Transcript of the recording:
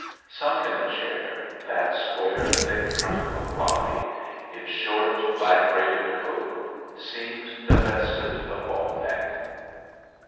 Sunk in the chair, that square thick trunk of a body in short black braided coat seemed divested of all neck.